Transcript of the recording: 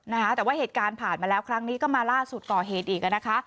นะคะแต่ว่าเหตุการณ์ผ่านมาแล้วครั้งนี้ก็มาล่าสุดก่อเหตุอีกอ่ะนะคะ